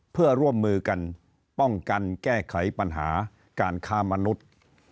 เพื่อร่วมมือกันป้องกันแก้ไขปัญหาการค้ามนุษย์